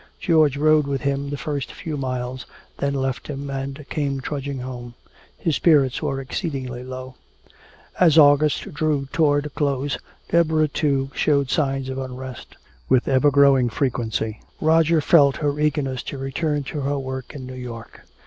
George rode with him the first few miles, then left him and came trudging home. His spirits were exceedingly low. As August drew toward a close, Deborah, too, showed signs of unrest. With ever growing frequency Roger felt her eagerness to return to her work in New York.